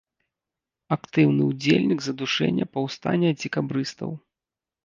Актыўны ўдзельнік задушэння паўстання дзекабрыстаў.